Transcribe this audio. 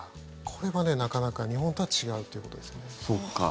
これはなかなか日本とは違うということですね。